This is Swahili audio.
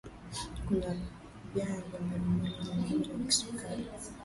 kuna vyanzo mbalimbali vya ugonjwa wa kisukari